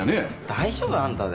大丈夫？あんたで。